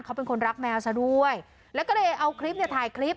เขาเป็นคนรักแมวซะด้วยแล้วก็เลยเอาคลิปเนี่ยถ่ายคลิป